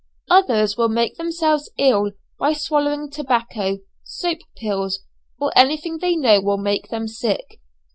Others will make themselves ill by swallowing tobacco, soap pills, or anything they know will make them sick.